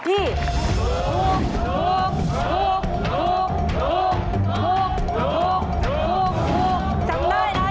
พ่อแรกแม่งแต่คนเดียวเลยนะ